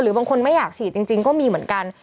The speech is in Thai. บางคนไม่อยากฉีดจริงก็มีเหมือนกัน